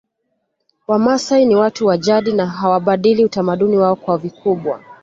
Wamasai ni watu wa jadi na hawabadili utamaduni wao kwa vikubwa